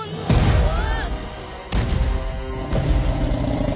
・うわ！